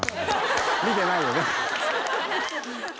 見てないよね。